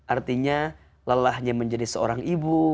artinya lelahnya menjadi seorang ibu